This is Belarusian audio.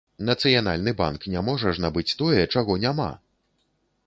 Нацыянальны банк не можа ж набыць тое, чаго няма!